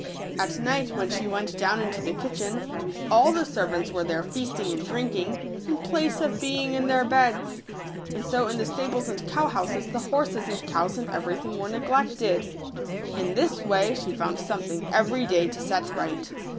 At night, when she went down into the kitchen, all the ser vants were there feasting and drinking, in place of being in their beds ; and so in the stables and cowhouses the horses and cows and every thing were neglected. In this way she found something every day to set right.